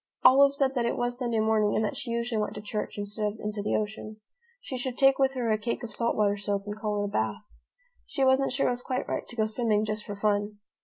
Olive said that it was Sunday morning and that she usually went to church instead of into the ocean. She should take with her a cake of salt water soap and call it a bath. She wasn't sure it was quite right to go swimming just for fun.